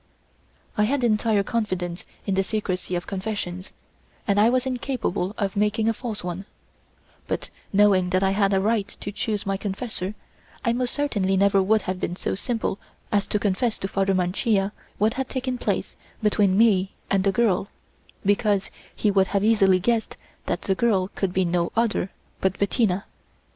I had entire confidence in the secrecy of confession, and I was incapable of making a false one, but knowing that I had a right to choose my confessor, I most certainly never would have been so simple as to confess to Father Mancia what had taken place between me and a girl, because he would have easily guessed that the girl could be no other but Bettina.